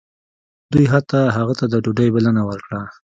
دوی حتی هغه ته د ډوډۍ بلنه ورکړه